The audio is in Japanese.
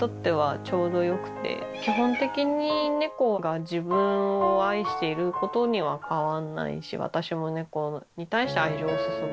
基本的に猫が自分を愛していることには変わんないし私も猫に対して愛情を注ぐし。